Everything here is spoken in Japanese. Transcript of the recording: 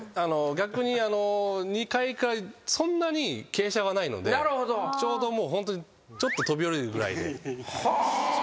逆に２階からそんなに傾斜はないのでちょうどホントにちょっと飛び降りるぐらいで。